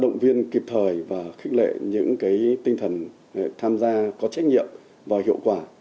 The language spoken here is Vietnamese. động viên kịp thời và khích lệ những tinh thần tham gia có trách nhiệm và hiệu quả